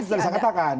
nah sudah bisa dikatakan